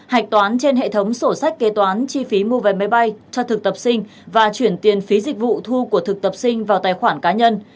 hạch toán trên hệ thống sổ sách kế toán chi phí mua vé máy bay cho thực tập sinh và chuyển tiền phí dịch vụ thu của thực tập sinh vào tài khoản cá nhân